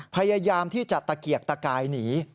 พยายามที่จะตะเกียกตะกายหนี